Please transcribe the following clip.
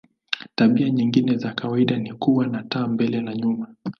Tabia nyingine za kawaida ni kuwa na taa mbele na nyuma.